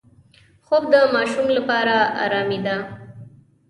خوب د ماشوم لپاره آرامي ده